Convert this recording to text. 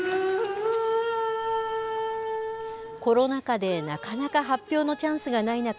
コロナ禍でなかなか発表のチャンスがない中